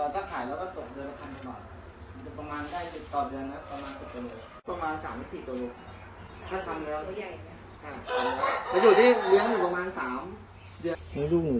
ถ้าขายแล้วก็ตกเดือนละพันธุ์หน่อย